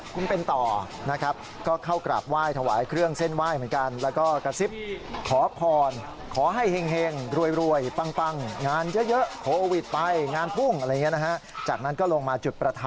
คุณเห็นแต่มั่งมีซิสุป